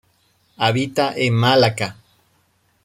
Habita en Malaca.